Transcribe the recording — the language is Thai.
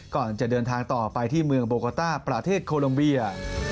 ก่อนจะเดินทางต่อไปที่เมืองโบโกต้าประเทศโคลมเบีย